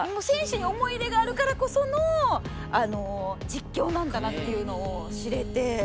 選手に思い入れがあるからこその実況なんだなっていうのを知れて。